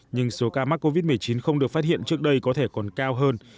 nhưng số ca mắc covid một mươi chín không được phát hiện trước đây có thể còn cao hơn